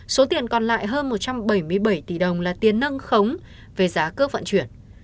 số tiền còn lại hơn một trăm bảy mươi bảy tỷ đồng là tiền nâng khống về giá cước vận chuyển